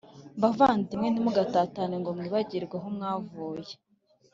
Bavandimwe ntimugatatane ngo mwibagirwe aho mwavuye